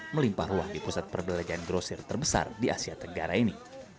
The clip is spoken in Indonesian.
melimpah ruah di pusat perbelanjaan grosir terbesar di asia tenggara ini